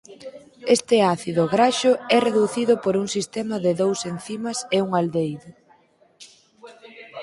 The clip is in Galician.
Este ácido graxo é reducido por un sistema de dous encimas a un aldehido.